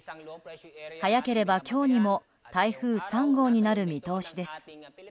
早ければ今日にも台風３号になる見通しです。